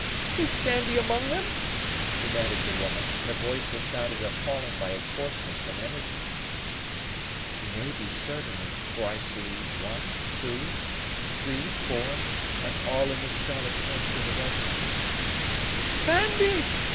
"Is Sandy amang them?" demanded the woman, in a voice that sounded appalling by its hoarseness and energy. "He may be certainly; for I see one, two, three, four, and all in the scarlet coats of the regiment." "Sandy!"